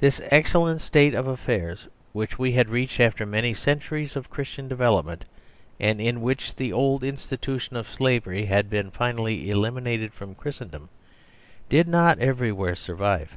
This excellent state of affairs which we had reached after many centuries of Christian development, and in which the old institution of slavery had been finally eliminated from Christendom, did not everywhere survive.